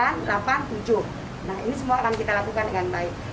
nah ini semua akan kita lakukan dengan baik